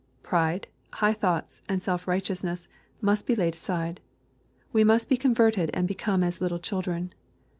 Pride, high thoughts, and self righteousness, must be laid aside. We must be converted and become as little cmldren.